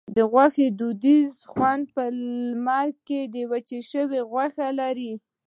د غوښې دودیز خوند په لمر کې وچه شوې غوښه لري.